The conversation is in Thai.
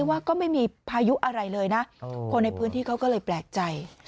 อะไรเลยนะคนในพื้นที่เขาก็เลยแปลกใจ